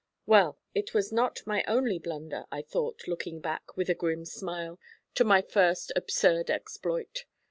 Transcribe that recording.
Well, it was not my only blunder, I thought, looking back, with a grim smile, to my first absurd exploit.